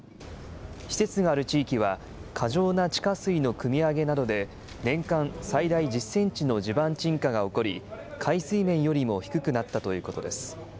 施設がある地域は、過剰な地下水のくみ上げなどで、年間最大１０センチの地盤沈下が起こり、海水面よりも低くなったということです。